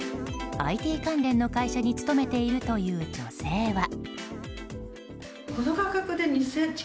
ＩＴ関連の会社に勤めているという女性は。